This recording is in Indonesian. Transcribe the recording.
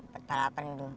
buat balapan gitu